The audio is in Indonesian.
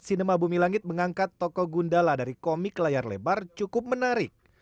sinema bumi langit mengangkat toko gundala dari komik layar lebar cukup menarik